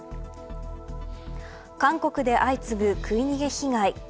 韓国で相次ぐ食い逃げ被害。